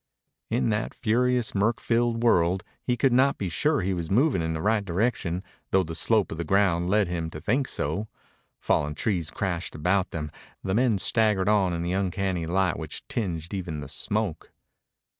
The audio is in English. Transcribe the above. In that furious, murk filled world he could not be sure he was moving in the right direction, though the slope of the ground led him to think so. Falling trees crashed about them. The men staggered on in the uncanny light which tinged even the smoke.